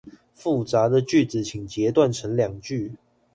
複雜的句子請截斷成兩句